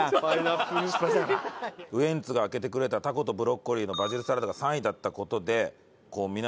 ウエンツが開けてくれたたことブロッコリーのバジルサラダが３位だった事で皆さん